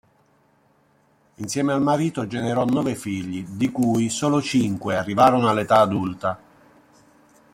Insieme al marito generò nove figli, di cui solo cinque arrivarono all'età adulta.